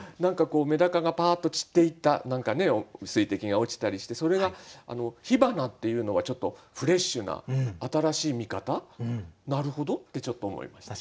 めだかがパーッと散っていった水滴が落ちたりしてそれが「火花」っていうのはちょっとフレッシュな新しい見方なるほどってちょっと思いましたね。